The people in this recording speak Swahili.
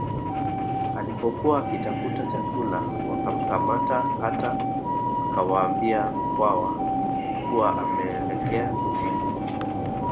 Alipokuwa akitafuta chakula wakamkamata hata akawaambia Mkwawa kuwa ameelekea kusini